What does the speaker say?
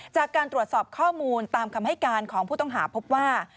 จากการตรวจสอบข้อมูลตามคำให้การของผู้ต้องหาพบว่า